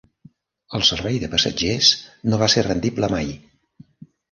El servei de passatgers no va ser rendible mai.